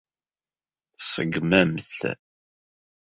Tseggem-am-t.